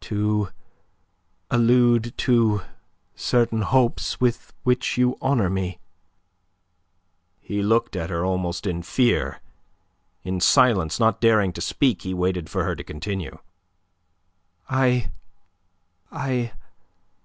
to allude to certain hopes with which you honour me." He looked at her almost in fear. In silence, not daring to speak, he waited for her to continue. "I... I...